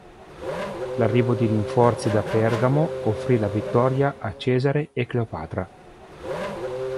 L'arrivo di rinforzi da Pergamo offrì la vittoria a Cesare e Cleopatra.